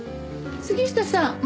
杉下さん